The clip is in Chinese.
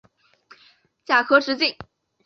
甲壳直径。